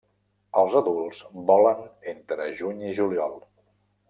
Els adults volen entre juny i juliol.